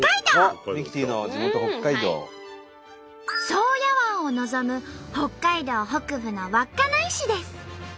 宗谷湾を臨む北海道北部の稚内市です。